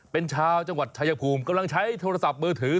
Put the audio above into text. เป็นชาวจังหวัดชายภูมิกำลังใช้โทรศัพท์มือถือ